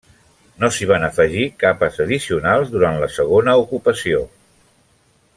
No s'hi van afegir capes addicionals durant la segona ocupació.